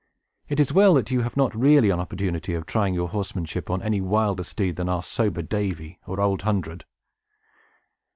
It is well that you have not really an opportunity of trying your horsemanship on any wilder steed than our sober Davy, or Old Hundred."